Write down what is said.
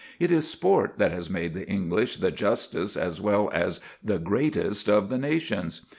It is sport that has made the English the justest as well as the greatest of the nations.